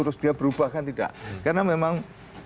terus dia berubah kan tidak karena memang